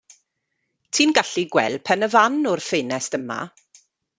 Ti'n gallu gweld Pen y Fan o'r ffenest yma.